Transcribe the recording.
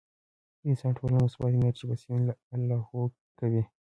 د انسان ټوله مثبت انرجي پۀ سين لاهو کوي -